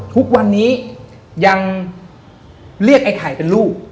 ทุกวันนี้ยังเรียกไอ้ไข่เป็นลูก